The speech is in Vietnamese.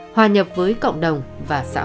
hòa nhập với cộng đồng và xã hội